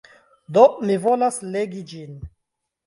Do, mi volas legi ĝin!